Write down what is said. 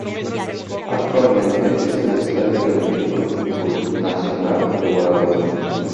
Actualmente, es el estadio del equipo de fútbol "nacional" de Guadalupe.